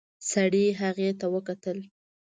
سړي هغې ته وکتل.